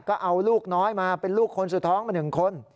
ก็เอาลูกน้อยมาเป็นลูกคนสุดท้องมา๑คน